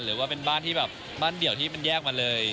หรือว่าเป็นบ้านเดี่ยวที่มันแยกมาเลย